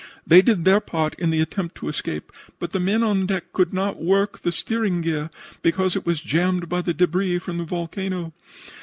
They did their part in the attempt to escape, but the men on deck could not work the steering gear because it was jammed by the debris from the volcano.